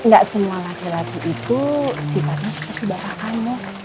gak semua laki laki itu sifatnya seperti bapak kamu